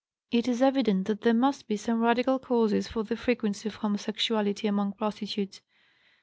It is evident that there must be some radical causes for the frequency of homosexuality among prostitutes.